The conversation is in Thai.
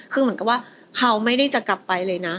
คือเหมือนกับว่าเขาไม่ได้จะกลับไปเลยนะ